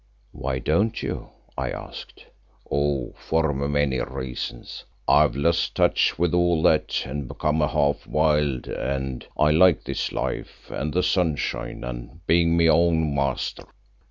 "Why don't you?" I asked. "Oh! for many reasons. I have lost touch with all that and become half wild and I like this life and the sunshine and being my own master.